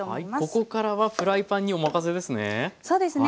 ここからはフライパンにお任せですね。